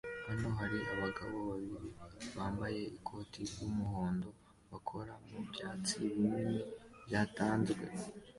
Hano hari abagabo babiri bambaye ikoti ry'umuhondo bakora mubyatsi binini byatanzwe